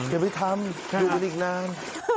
อย่าไปทำอยู่กันอีกนาน